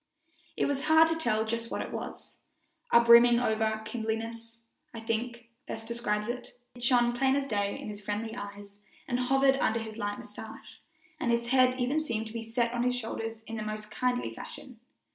It was hard to tell just what it was a brimming over kindliness, I think, best describes it. It shone plain as day in his friendly eyes and hovered under his light mustache, and his head even seemed to be set on his shoulders in a most kindly fashion.